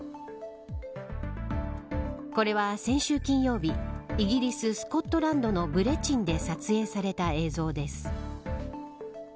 これは先週金曜日イギリス・スコットランドのブレチンで撮影された映像です。